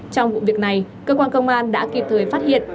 trong vụ việc này cơ quan công an đã kịp thời phát hiện